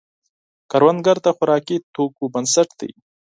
کروندګر د خوراکي توکو بنسټ دی